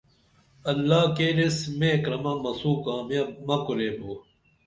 اللہ کیریس مے کرمہ مسوں کامیاب مہ کُریبو